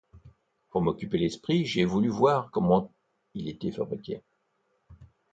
Pour m’occuper l’esprit, j’ai voulu voir comment il était fabriqué…